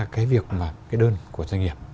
cái việc mà cái đơn của doanh nghiệp